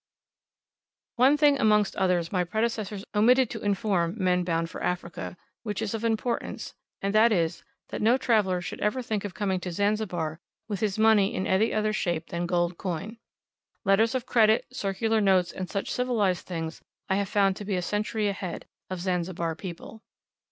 One thing amongst others my predecessors omitted to inform men bound for Africa, which is of importance, and that is, that no traveller should ever think of coming to Zanzibar with his money in any other shape than gold coin. Letters of credit, circular notes, and such civilized things I have found to be a century ahead of Zanzibar people.